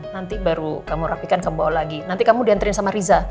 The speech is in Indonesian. nanti baru kamu rapikan kamu bawa lagi nanti kamu diantarin sama riza